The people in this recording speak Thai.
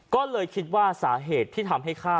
ก็เลยคิดว่าสาเหตุที่ทำให้ฆ่า